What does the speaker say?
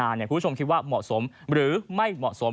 คุณผู้ชมคิดว่าเหมาะสมหรือไม่เหมาะสม